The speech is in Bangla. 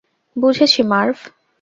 বুঝেছি, মার্ভ।